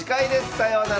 さようなら。